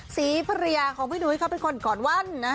ศรีภรรยาของพี่หนุ้ยเขาเป็นคนก่อนวั่น